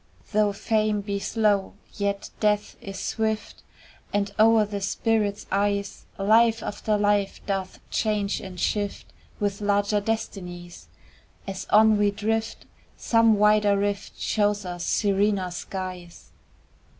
Though Fame be slow, yet Death is swift, And, o'er the spirit's eyes, Life after life doth change and shift With larger destinies: As on we drift, some wider rift Shows us serener skies.